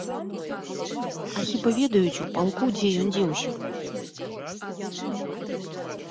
А хіба ведаюць у палку, дзе ён дзеўся?